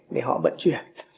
để họ vận chuyển